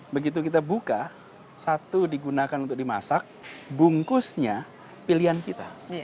begitu kita buka satu digunakan untuk dimasak bungkusnya pilihan kita